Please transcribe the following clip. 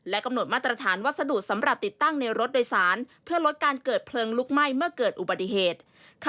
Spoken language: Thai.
กำหนดมาตรฐานวัสดุสำหรับติดตั้งในรถโดยสารเพื่อลดการเกิดเพลิงลุกไหม้เมื่อเกิดอุบัติเหตุ